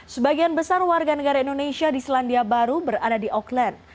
sebagian besar warga negara indonesia di selandia baru berada di auckland